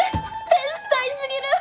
天才すぎる！